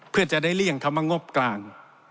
เพื่อจะได้เลี่ยงคำว่างบกลาง